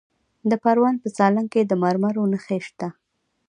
د پروان په سالنګ کې د مرمرو نښې شته.